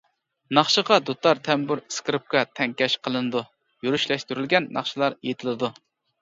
ناخشىغا دۇتار، تەمبۇر، ئىسكىرىپكا تەڭكەش قىلىنىدۇ، يۈرۈشلەشتۈرۈلگەن ناخشىلار ئېيتىلىدۇ.